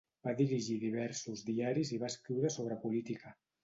Va dirigir diversos diaris i va escriure sobre política.